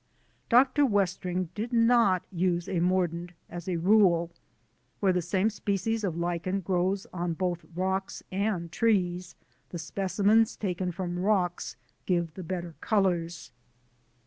Dr. Westring did not use a mordant as a rule. Where the same species of Lichen grows on both rocks and trees, the specimens taken from rocks give the better colours.